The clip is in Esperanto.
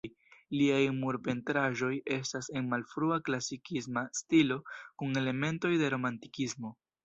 Liaj murpentraĵoj estas en malfrua klasikisma stilo kun elementoj de romantikismo.